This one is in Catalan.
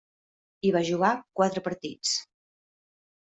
Hi va jugar quatre partits.